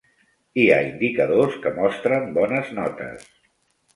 Hi ha indicadors que mostren bones notes.